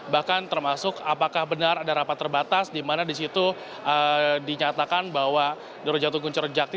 bahkan termasuk apakah benar ada rapat terbatas di mana disitu dinyatakan bahwa doron jatun kuncoro cakti